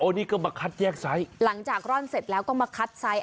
โอ้นี่ก็มาคัดแยกซ้ายหลังจากร่อนเสร็จเราก็มาคัดซ้าย